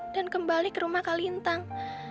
dan kembali ke rumah kak lintang